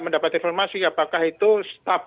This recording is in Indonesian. mendapat informasi apakah itu staff